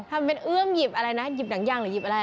ทำเป็นเอื้อมหยิบอะไรนะหยิบอะไรหยิบสังบินหรืออะไร